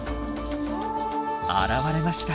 現れました。